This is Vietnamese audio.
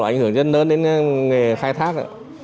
ảnh hưởng rất lớn đến nghề khai thác